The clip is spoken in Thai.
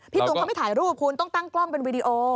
ตูนเขาไม่ถ่ายรูปคุณต้องตั้งกล้องเป็นวีดีโอ